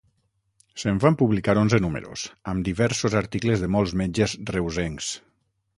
Se'n van publicar onze números, amb diversos articles de molts metges reusencs.